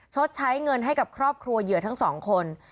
ชดใช้เงินให้กับครอบครัวเหยื่อทั้งสองคน